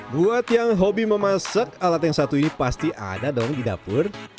buat yang hobi memasak alat yang satu ini pasti ada dong di dapur